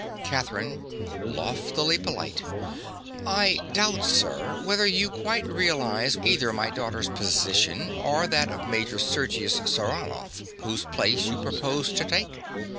CATHERINE. (loftily polite). I doubt, sir, whether you quite realize either my daughter's position or that of Major Sergius Saranoff, whose place you propose to take.